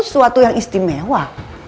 suatu yang istimewa